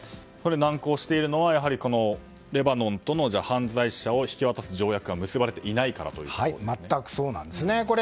難航しているのはレバノンとの犯罪者を引き渡す条約が結ばれていないからですね。